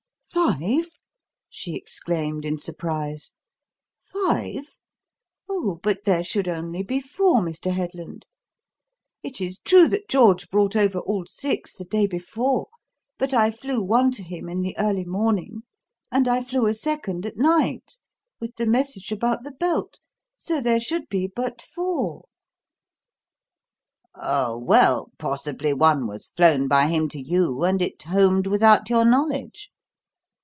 "Five?" she exclaimed in surprise. "Five? Oh, but there should be only four, Mr. Headland. It is true that George brought over all six the day before; but I 'flew' one to him in the early morning, and I 'flew' a second at night, with the message about the belt; so there should be but four." "Oh, well, possibly one was 'flown' by him to you, and it 'homed' without your knowledge."